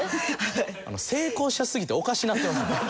成功者すぎておかしなってます。